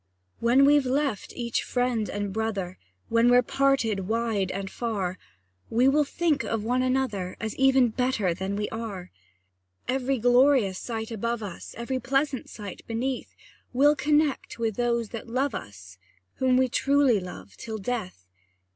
When we've left each friend and brother, When we're parted wide and far, We will think of one another, As even better than we are. Every glorious sight above us, Every pleasant sight beneath, We'll connect with those that love us, Whom we truly love till death!